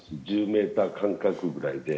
メーター間隔ぐらいで。